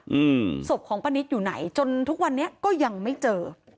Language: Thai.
อืมศพของป้านิตอยู่ไหนจนทุกวันนี้ก็ยังไม่เจอ